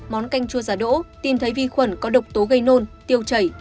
món canh chua giả đỗ tìm thấy vi khuẩn có độc tố gây nôn tiêu chảy